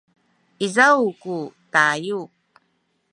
izaw ku tayu